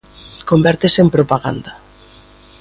Convértese en propaganda.